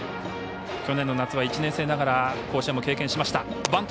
去年の夏は１年生ながら甲子園も経験しました。